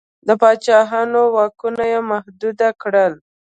د پاچاهانو واکونه یې محدود کړل.